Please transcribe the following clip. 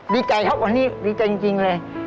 ดีใจเขากว่านี้ดีใจจริงเลย